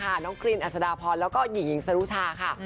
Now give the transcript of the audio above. น้องกรีนอัศดาพรแล้วก็หญิงหญิงสรุชาค่ะ